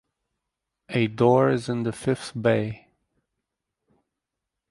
A door is in the fifth bay.